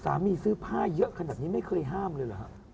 สามีซื้อผ้าเยอะขนาดนี้ไม่เคยห้ามเลยหรือครับ